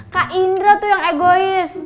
kak indra tuh yang egois